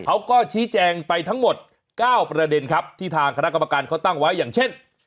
เขาก็ชี้แจงไปทั้งหมด๙ประเด็นครับที่ทางคณะกรรมการเขาตั้งไว้อย่างเช่น